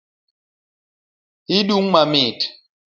Hidung' mamit .